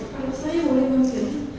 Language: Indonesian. kalau saya boleh memilih